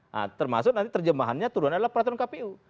nah termasuk nanti terjemahannya turun adalah peraturan kpu